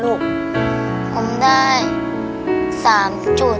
ขอบคุณครับ